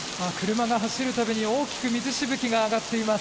車が走る度に大きく水しぶきが上がっています。